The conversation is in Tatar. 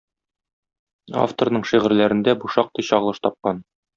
Авторның шигырьләрендә бу шактый чагылыш тапкан.